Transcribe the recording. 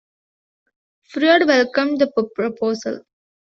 Freud welcomed the proposal.